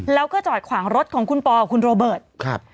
แล้วก็จอดขวางรถของคุณปอกับคุณโรเบิร์ตครับ